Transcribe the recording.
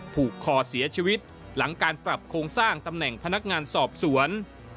ผูกคอเสียชีวิตหลังการปรับโครงสร้างตำแหน่งพนักงานสอบสวน